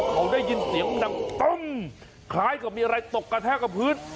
เขาได้ยินเสียงดังปั้มคล้ายกับมีอะไรตกกระแทกกับพื้น